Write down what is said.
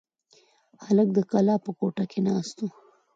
هلک د کلا په کوټه کې ناست و.